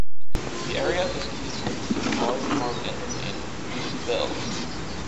The area to ski is linked to the large Maurienne domain, the Sybelles.